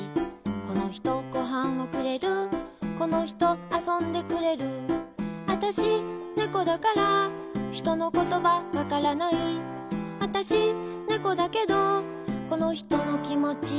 この人、ご飯をくれるこの人、遊んでくれるあたし、ねこだから人のことばわからないあたし、ねこだけどこの人のきもち